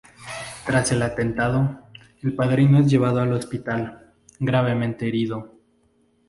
Tras el atentado, el Padrino es llevado al hospital, gravemente herido.